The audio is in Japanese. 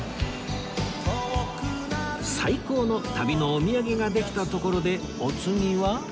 最高の旅のお土産ができたところでお次は